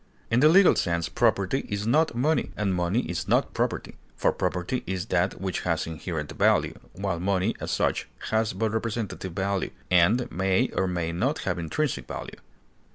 In the legal sense, property is not money, and money is not property; for property is that which has inherent value, while money, as such, has but representative value, and may or may not have intrinsic value.